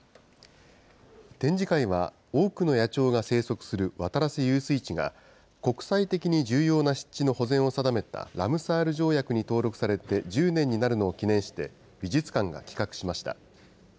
展示会は多くの野鳥が生息する渡良瀬遊水地が、国際的に重要な湿地の保全を定めたラムサール条約に登録されて１０年になるのを記念して、美術館が企画しました。